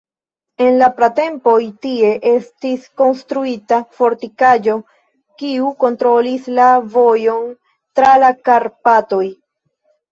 En la pratempoj tie estis konstruita fortikaĵo, kiu kontrolis la vojon tra la Karpatoj.